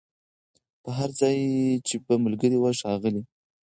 پر هر ځای چي به ملګري وه ښاغلي